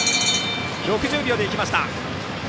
６０秒でいきました。